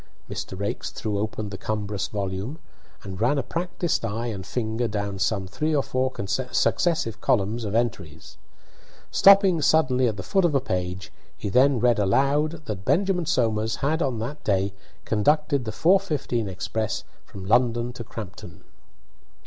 Mr. Raikes threw open the cumbrous volume, and ran a practised eye and finger down some three or four successive columns of entries. Stopping suddenly at the foot of a page, he then read aloud that Benjamin Somers had on that day conducted the 4:15 express from London to Crampton.